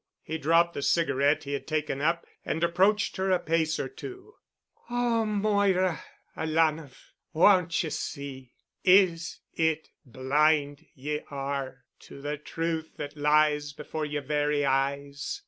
He dropped the cigarette he had taken up and approached her a pace or two. "Oh, Moira, alanah, won't ye see? Is it blind ye are to the truth that lies before yer very eyes——?